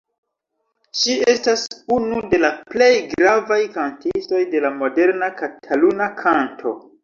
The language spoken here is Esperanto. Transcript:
Ŝi estas unu de la plej gravaj kantistoj de la moderna kataluna kanto.